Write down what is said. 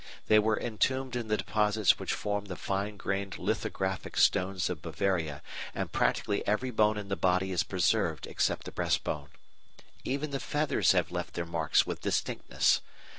These were entombed in the deposits which formed the fine grained lithographic stones of Bavaria, and practically every bone in the body is preserved except the breast bone. Even the feathers have left their marks with distinctness.